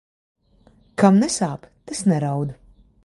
Kam nesāp, tas neraud.